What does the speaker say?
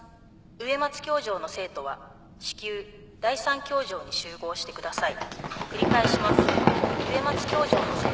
植松教場の生徒は至急第３教場に集合してください。